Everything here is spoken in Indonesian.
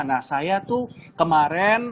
nah saya tuh kemarin